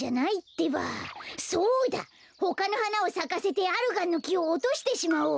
ほかのはなをさかせてアルガンのきをおとしてしまおう。